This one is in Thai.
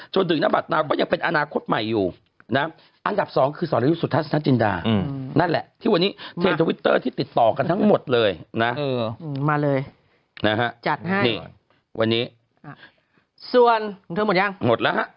จนถึงนบัตรนาวก็ยังเป็นอนาคตใหม่อยู่นะอันดับสองคือสรยุทธ์สุทัศนจินดานั่นแหละที่วันนี้เทรนทวิตเตอร์ที่ติดต่อกันทั้งหมดเลยนะมาเลยนะฮะจัดให้นี่วันนี้ส่วนของเธอหมดยังหมดแล้วฮะ